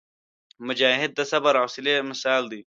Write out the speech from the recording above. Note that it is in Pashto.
مجاهد د صبر او حوصلي مثال وي.